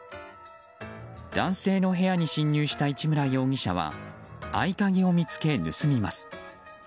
男性の部屋に侵入した市村容疑者は合鍵を見つけ、盗みます。